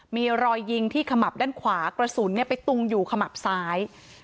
มีรอยยิงที่ขมับด้านขวากระสุนไปตุงอยู่ขมับซ้าย